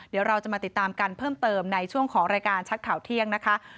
เดี๋ยวเราจะมาติดตามกันเพิ่มเติมในช่วงของรายการชัดข่าวเที่ยงนะคะ